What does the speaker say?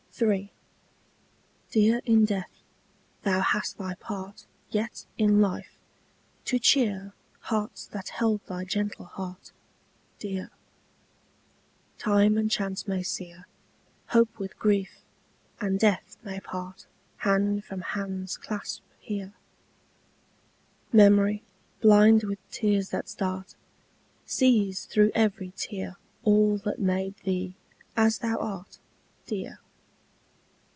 III. Dear in death, thou hast thy part Yet in life, to cheer Hearts that held thy gentle heart Dear. Time and chance may sear Hope with grief, and death may part Hand from hand's clasp here: Memory, blind with tears that start, Sees through every tear All that made thee, as thou art, Dear.